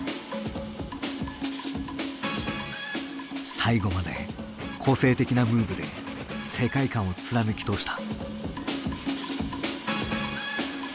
最後まで個性的なムーブで世界観を貫き通した。